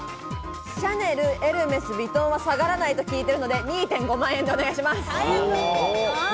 シャネル、エルメス、ヴィトンは下がらないと聞いているので、２．５万円でお願いします。